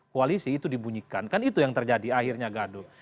koalisi itu dibunyikan kan itu yang terjadi akhirnya gaduh